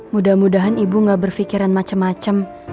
muda mudahan ibu gak berfikiran macem macem